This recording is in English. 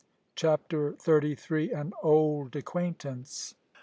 CHAPTER THIRTY THREE. AN OLD ACQUAINTANCE.